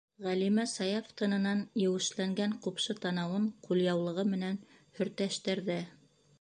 - Ғәлимә Саяф тынынан еүешләнгән ҡупшы танауын ҡулъяулығы менән һөртәштәрҙә.